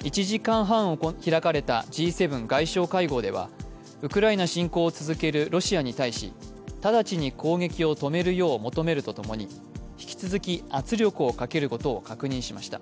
１時間半開かれたＧ７外相会合ではウクライナ侵攻を続けるロシアに対し直ちに攻撃を止めるよう求めるとともに、引き続き圧力をかけることを確認しました。